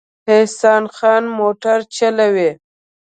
احسان خان موټر چلوي